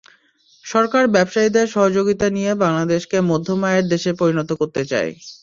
সরকার ব্যবসায়ীদের সহযোগিতা নিয়ে বাংলাদেশকে মধ্যম আয়ের দেশে পরিণত করতে চায়।